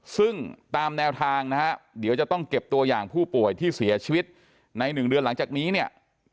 ซึ่งตามแนวทางนะฮะเดี๋ยวจะต้องเก็บตัวอย่างผู้ป่วยที่เสียชีวิตใน๑เดือนหลังจากนี้เนี่ย